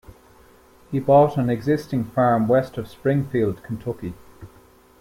He bought an existing farm west of Springfield, Kentucky.